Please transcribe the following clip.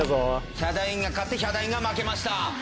ヒャダインが勝ってヒャダインが負けました。